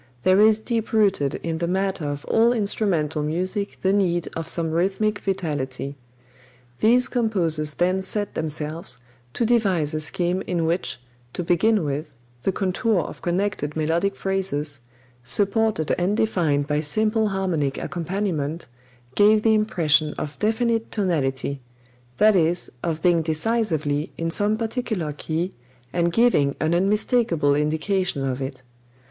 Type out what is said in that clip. There is deep rooted in the matter of all instrumental music the need of some rhythmic vitality. These composers then set themselves to devise a scheme in which, to begin with, the contour of connected melodic phrases, supported and defined by simple harmonic accompaniment, gave the impression of definite tonality that is, of being decisively in some particular key and giving an unmistakable indication of it.